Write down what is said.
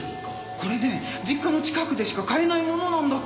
これね実家の近くでしか買えないものなんだって。